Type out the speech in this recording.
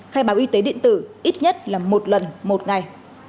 khai báo y tế điện tử ít nhất là một lần một ngày